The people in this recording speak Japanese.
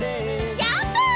ジャンプ！